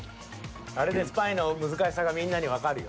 あれでスパイの難しさがみんなにわかるよ。